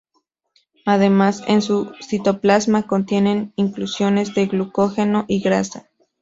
Además en su citoplasma contienen inclusiones de glucógeno y grasa.